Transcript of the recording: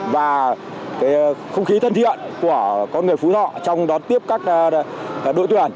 và cái không khí thân thiện của con người phú họ trong đón tiếp các đội tuyển